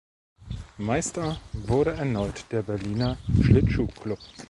Meister wurde erneut der Berliner Schlittschuhclub.